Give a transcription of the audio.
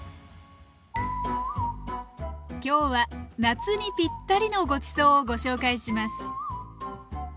今日は夏にぴったりのごちそうをご紹介します。